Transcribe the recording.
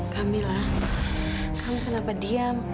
kamilah kamu kenapa diam